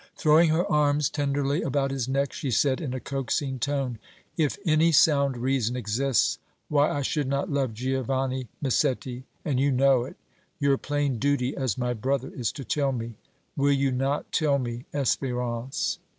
Throwing her arms tenderly about his neck she said, in a coaxing tone: "If any sound reason exists why I should not love Giovanni Massetti, and you know it, your plain duty as my brother is to tell me. Will you not tell me, Espérance?"